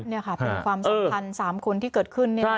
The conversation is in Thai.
เป็นความสำคัญ๓คนที่เกิดขึ้น